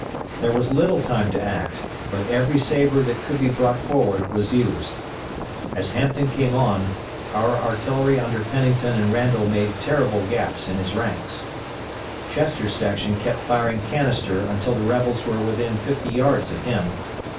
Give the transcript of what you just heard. There was little time to act, but every sabre that could be brought forward was used. As Hampton came on, our artillery under Pennington and Randol made terrible gaps in his ranks. Chester's section kept firing canister until the rebels were within fifty yards of him.